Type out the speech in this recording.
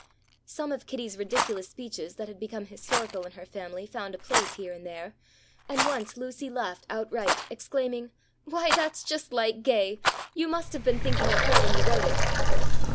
Some of Kitty's ridiculous speeches that had become historical in her family, found a place here and there, and once Lucy laughed outright, exclaiming, "Why that's just like Gay! You must have been thinking of her when you wrote it."